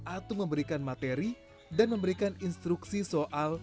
atu memberikan materi dan memberikan instruksi soal